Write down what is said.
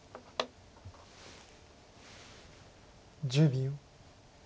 １０秒。